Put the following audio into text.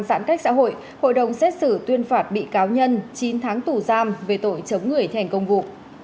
giãn cách xã hội hội đồng xét xử tuyên phạt bị cáo nhân chín tháng tù giam về tội chống người thi hành công vụ